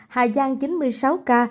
hà giang chín mươi sáu ca